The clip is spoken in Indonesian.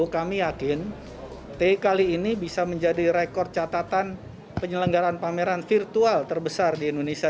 kami yakin t kali ini bisa menjadi rekor catatan penyelenggaran pameran virtual terbesar di indonesia